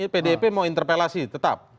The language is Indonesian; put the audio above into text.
pdp mau interpelasi tetap